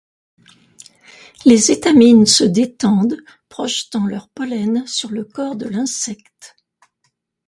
Les étamines se détendent, projetant leur pollen sur le corps de l'insecte.